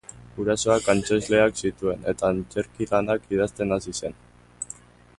Gurasoak antzezleak zituen, eta antzerki-lanak idazten hasi zen.